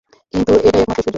কিন্তু এটাই একমাত্র সুযোগ।